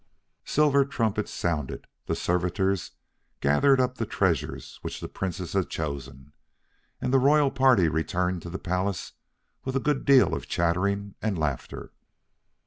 Silver trumpets sounded, the servitors gathered up the treasures which the Princess had chosen, and the royal party returned to the palace with a good deal of chattering and laughter.